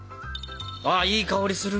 あいい香りする。